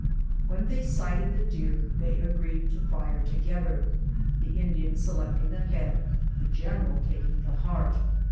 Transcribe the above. Wlien they sighted the deer they agreed to fire together, the Indian selecting the head, the general taking the heart.